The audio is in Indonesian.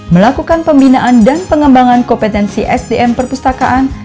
melakukan pembinaan dan pengembangan kompetensi sdm perpustakaan